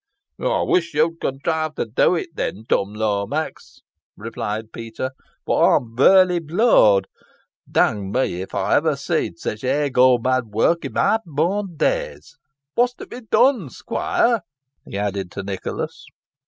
"Ey wish yo'd contrive to do it, then, Tum Lomax," replied Peter, "fo' ey'm fairly blowd. Dang me, if ey ever seed sich hey go mad wark i' my born days. What's to be done, squoire?" he added to Nicholas.